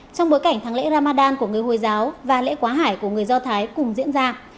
trong bối cảnh tháng lễ ramadan của người hồi giáo và lễ quá hải của người do thái cùng diễn ra